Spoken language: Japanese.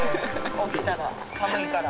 起きたら寒いから。